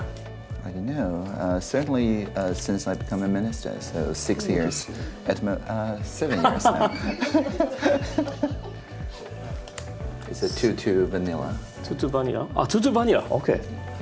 あっ２−２バニラ。ＯＫ。